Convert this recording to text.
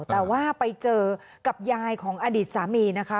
แต่ว่าไปเจอกับยายของอดีตสามีนะคะ